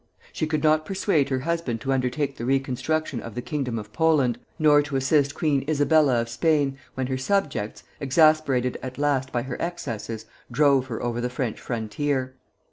She could not persuade her husband to undertake the reconstruction of the kingdom of Poland, nor to assist Queen Isabella of Spain when her subjects, exasperated at last by her excesses, drove her over the French frontier.